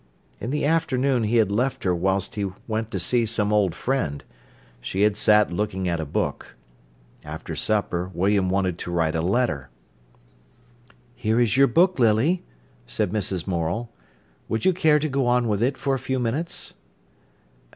In the afternoon he had left her whilst he went to see some old friend. She had sat looking at a book. After supper William wanted to write a letter. "Here is your book, Lily," said Mrs. Morel. "Would you care to go on with it for a few minutes?"